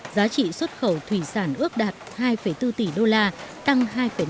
giá trị xuất khẩu thủy sản ước đạt hai bốn tỷ đô la tăng hai năm